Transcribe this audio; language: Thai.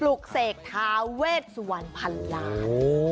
ลุกเสกทาเวชสุวรรณพันล้าน